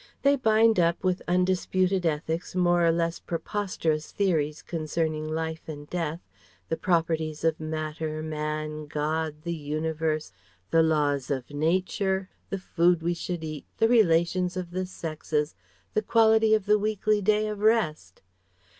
They bind up with undisputed ethics more or less preposterous theories concerning life and death, the properties of matter, man, God, the universe, the laws of nature, the food we should eat, the relations of the sexes, the quality of the weekly day of rest.